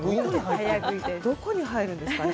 どこに入るんですかね？